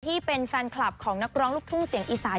ที่เป็นแฟนคลับของนักร้องลูกทุ่งเสียงอีสาน